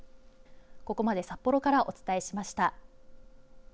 ここまで札幌からお伝えしました。